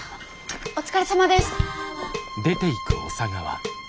お疲れさまです。